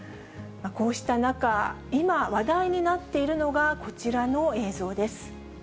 こうした中、今、話題になっているのが、こちらの映像です。